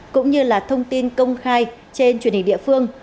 cũng như là thông tin công khai trên truyền hình địa phương